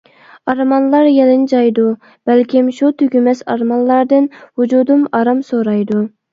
ئارمانلار يېلىنجايدۇ، بەلكىم، شۇ تۈگىمەس ئارمانلاردىن ۋۇجۇدۇم، ئارام سورايدۇ.